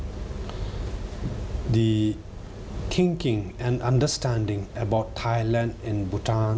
ความรู้สึกและความรู้สึกเรื่องไทยและบุตตาน